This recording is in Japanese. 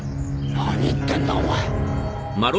何言ってんだお前。